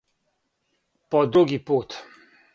По други пут.